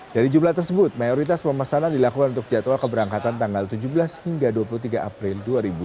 dari jumlah tersebut mayoritas pemesanan dilakukan untuk jadwal keberangkatan tanggal tujuh belas hingga dua puluh tiga april dua ribu dua puluh